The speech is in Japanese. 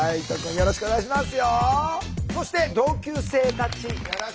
よろしくお願いします。